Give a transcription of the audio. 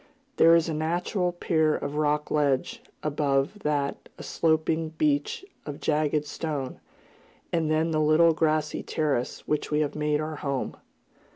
There is a natural pier of rocky ledge, above that a sloping beach of jagged stone, and then the little grassy terrace which we have made our home.